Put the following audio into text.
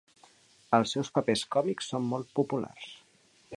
Els seus papers còmics són molt populars.